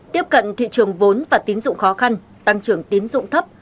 tiếp cận thị trường vốn và tín dụng khó khăn tăng trưởng tín dụng thấp